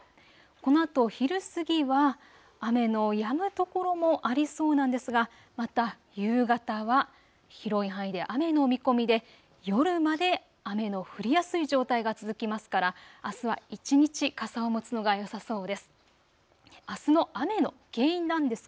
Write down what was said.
このあと昼過ぎは雨のやむ所もありそうなんですが、また夕方は広い範囲で雨の見込みで夜まで雨の降りやすい状態が続きますから、あすは一日傘を持つのがよさそうです。